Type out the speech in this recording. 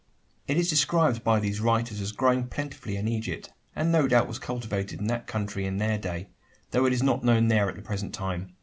It is described by these writers as growing plentifully in Egypt; and no doubt was cultivated in that country in their day; though it is not known there at the present time.